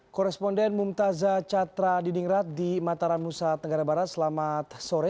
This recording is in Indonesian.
koresponden mumtazah catra diningrat di mataram nusa tenggara barat selamat sore